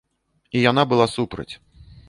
І яна была супраць.